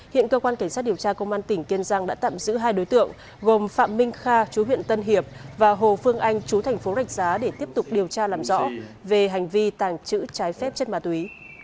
hiện cơ quan cảnh sát điều tra công an tỉnh kiên giang đã tạm giữ hai đối tượng gồm phạm minh kha chú huyện tân hiệp và hồ phương anh chú thành phố rạch giá để tiếp tục điều tra làm rõ về hành vi tàng trữ trái phép chất ma túy